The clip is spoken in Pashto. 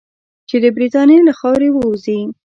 چې د برټانیې له خاورې ووځي.